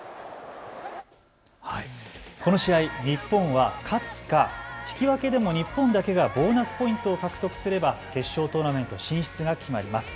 この試合、日本は勝つか引き分けでも日本だけがボーナスポイントを獲得すれば決勝トーナメント進出が決まります。